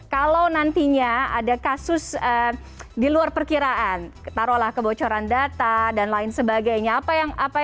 kalau nantinya ada kasus di luar perkiraan taruhlah kebocoran data dan lain sebagainya